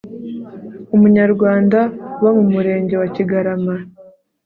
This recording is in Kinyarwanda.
umunyarwanda uba mu murenge wa kigarama